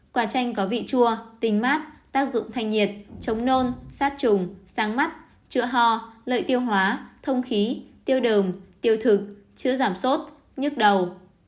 quả chanh có vị chua tinh mát tác dụng thanh nhiệt chống nôn sát trùng sáng mắt chữa hò lợi tiêu hóa thông khí tiêu đồng tiêu thực chữa giảm sốt nhức đầu